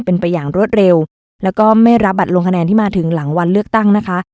เป็นไปอย่างรวดเร็วแล้วก็ไม่รับบัตรลงคะแนนที่มาถึงหลังวันเลือกตั้งนะคะ